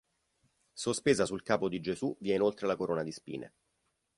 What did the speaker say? Sospesa sul capo di Gesù vi è inoltre la corona di spine.